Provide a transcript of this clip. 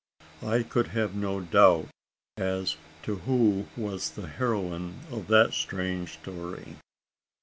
I could have no doubt as to who was the heroine of that strange history.